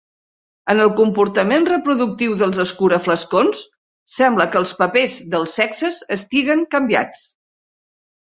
En el comportament reproductiu dels escuraflascons, sembla que els papers dels sexes estiguen canviats.